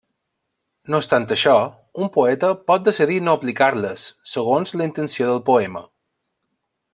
No obstant això, un poeta pot decidir no aplicar-les, segons la intenció del poema.